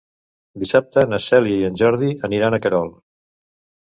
Dissabte na Cèlia i en Jordi aniran a Querol.